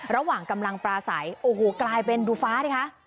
ระหว่างกำลังปลาใสโอ้โหกลายเป็นดูฟ้าดิคะ